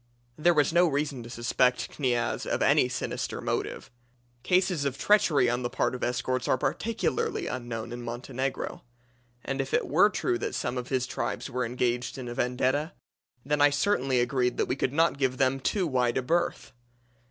There was no reason to suspect Kniaz of any sinister motive cases of treachery on the part of escorts are practically unknown in Montenegro and if it were true that some of the tribes were engaged in a vendetta, then I certainly agreed that we could not give them too wide a berth.